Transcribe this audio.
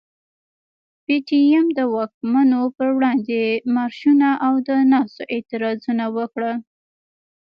پي ټي ايم د واکمنو پر وړاندي مارشونه او د ناستو اعتراضونه وکړل.